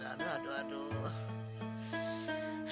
aduh aduh aduh